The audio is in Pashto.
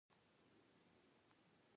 کورنیو او ټولنې اغېز ډېر و.